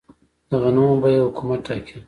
د غنمو بیه حکومت ټاکي؟